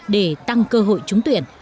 để tăng cơ hội trúng tuyển